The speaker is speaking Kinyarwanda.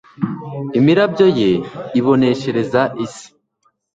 imirabyo ye iboneshereza isi